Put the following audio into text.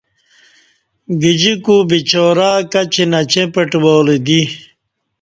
گجیکو بے چارہ کچی نچیں پٹہ والہ دی